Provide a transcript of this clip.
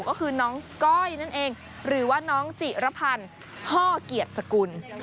ก็คือน้องก้อยนั่นเองหรือว่าน้องจิระพันธ์พ่อเกียรติสกุล